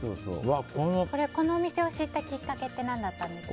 このお店を知ったきっかけって何だったんですか？